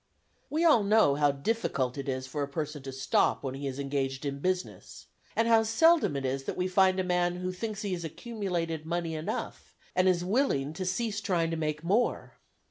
We all know how difficult it is for a person to stop when he is engaged in business, and how seldom it is that we find a man who thinks he has accumulated money enough, and is willing to cease trying to make [Illustration: AFTER THE FIRE] more.